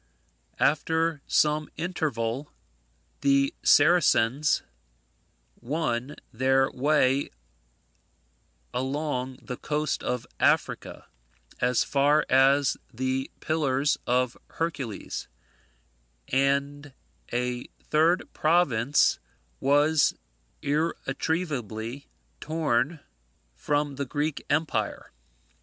After some interval, the Saracens won their way along the coast of Africa, as far as the Pillars of Hercules, and a third province was irretrievably torn from the Greek empire.